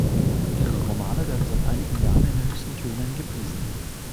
Ihre Romane werden seit einigen Jahren in höchsten Tönen gepriesen.